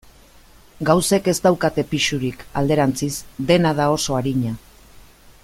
Gauzek ez daukate pisurik, alderantziz, dena da oso arina.